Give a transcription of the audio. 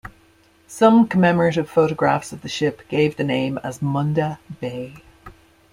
Some commemorative photographs of the ship gave the name as Munda Bay.